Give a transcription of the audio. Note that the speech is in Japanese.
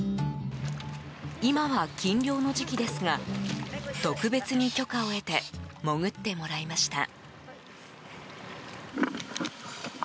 今は禁漁の時期ですが特別に許可を得て潜ってもらいました。